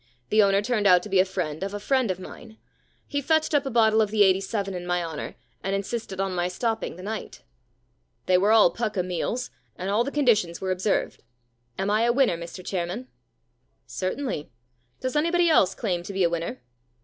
The owner turned out to be a friend of a friend of mine. He fetched up a bottle of the '87 in my honour and insisted on my stopping the night. * They were all pukka meals, and all the conditions were observed. Am I a winner, Mr Chairman ?'* Certainly. Does anybody else claim to be a winner